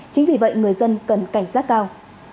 chính vì vậy người dân cần cảnh giác cao